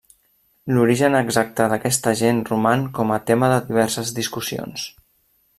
L'origen exacte d'aquesta gent roman com a tema de diverses discussions.